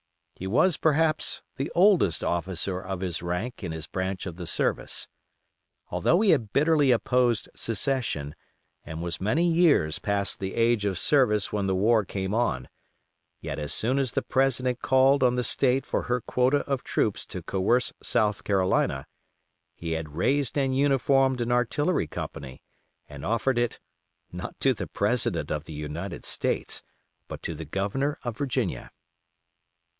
He was, perhaps, the oldest officer of his rank in his branch of the service. Although he had bitterly opposed secession, and was many years past the age of service when the war came on, yet as soon as the President called on the State for her quota of troops to coerce South Carolina, he had raised and uniformed an artillery company, and offered it, not to the President of the United States, but to the Governor of Virginia.